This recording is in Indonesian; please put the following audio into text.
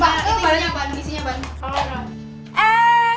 pak itu isinya pak isinya pak